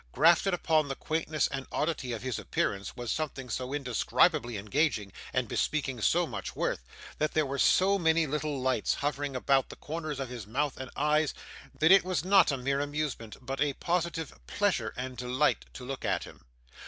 Grafted upon the quaintness and oddity of his appearance, was something so indescribably engaging, and bespeaking so much worth, and there were so many little lights hovering about the corners of his mouth and eyes, that it was not a mere amusement, but a positive pleasure and delight to look at him.